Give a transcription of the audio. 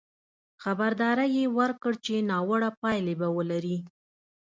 خبرداری یې ورکړ چې ناوړه پایلې به ولري.